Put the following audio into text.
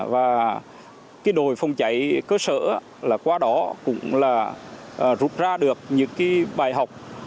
và đồi phòng cháy cơ sở qua đó cũng rút ra được những bài học